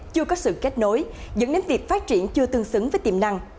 chưa có sự kết nối dẫn đến việc phát triển chưa tương xứng với tiềm năng